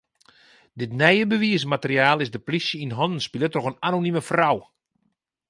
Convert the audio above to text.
Dit nije bewiismateriaal is de plysje yn hannen spile troch in anonime frou.